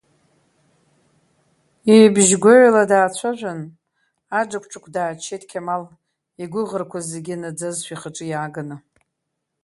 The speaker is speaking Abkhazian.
Ибжьгәаҩала даацәажәан, аџықәџықә дааччеит Қьамал, игәыӷрақәа зегьы наӡазшәа ихаҿы иааганы.